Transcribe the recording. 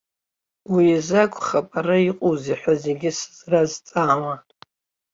Уи азы акәхап ара иҟоузеи ҳәа зегьы сызразҵаауа.